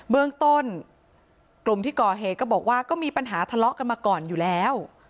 เบื้องต้นกลุ่มที่ก่อเหตุก็บอกว่าก็มีปัญหาทะเลาะกันมาก่อนอยู่แล้ว